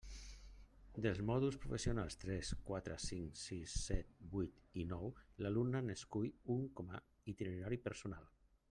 Dels mòduls professionals tres, quatre, cinc, sis, set, vuit i nou l'alumne n'escull un com a itinerari personal.